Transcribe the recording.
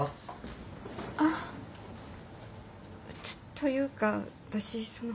というか私その